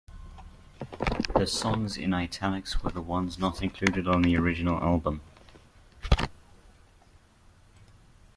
The songs in italics were the ones not included on the original album.